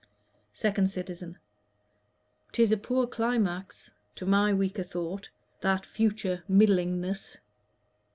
2D CITIZEN. 'Tis a poor climax, to my weaker thought, That future middlingness.